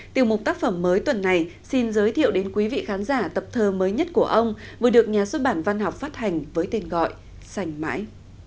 tiểu mục tác phẩm mới tuần này xin giới thiệu đến quý vị khán giả tập thơ mới nhất của ông vừa được nhà xuất bản văn học phát hành với tên gọi sành mãi